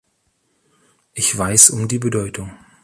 Ich weiß um die Bedeutung.